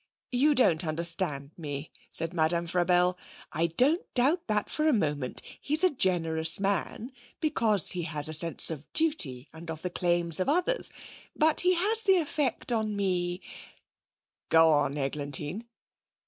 'You don't understand me,' said Madame Frabelle. 'I don't doubt that for a moment. He's a generous man, because he has a sense of duty and of the claims of others. But he has the effect on me ' 'Go on, Eglantine.'